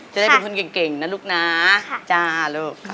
จะได้เป็นคนเก่งนะลูกนะจ้าลูก